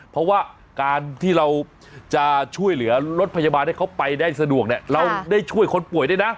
เพราะว่าการที่เราจะช่วยเหลือรถพยาบาลให้เขาไปได้สะดวกเนี่ยเราได้ช่วยคนป่วยด้วยนะ